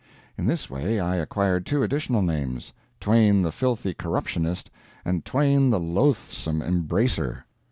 [In this way I acquired two additional names: "Twain the Filthy Corruptionist" and "Twain the Loathsome Embracer."